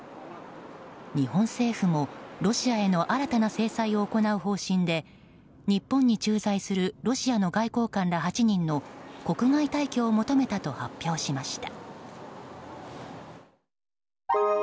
日本政府もロシアへの新たな制裁を行う方針で日本に駐在するロシアの外交官ら８人の国外退去を求めたと発表しました。